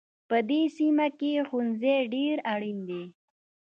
په دې سیمه کې ښوونځی ډېر اړین دی